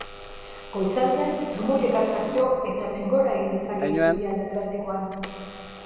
Goizaldean trumoi-ekaitzak jo eta txingorra egin dezake isurialde atlantikoan.